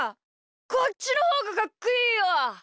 こっちのほうがかっこいいよ。